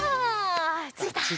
ついた。